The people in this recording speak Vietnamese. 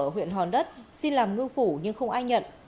ở huyện hòn đất xin làm ngư phủ nhưng không ai nhận